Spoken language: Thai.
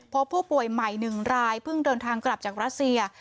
พบผู้ป่วยใหม่๑รายเพิ่งเดินทางกลับจากรัสเซีย